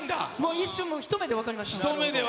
一瞬、一目で分かりました。